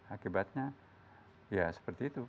akibatnya ya seperti itu